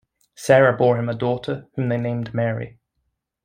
Sarah bore him a daughter whom they named Mary.